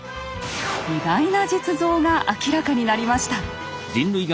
意外な実像が明らかになりました。